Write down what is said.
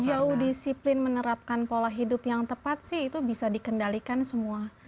sejauh disiplin menerapkan pola hidup yang tepat sih itu bisa dikendalikan semua